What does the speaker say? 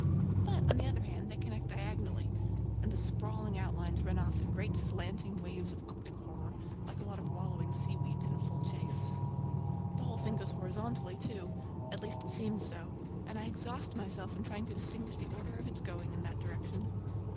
But, on the other hand, they connect diagonally, and the sprawling outlines run off in great slanting waves of optic horror, like a lot of wallowing seaweeds in full chase. The whole thing goes horizontally, too, at least it seems so, and I exhaust myself in trying to distinguish the order of its going in that direction.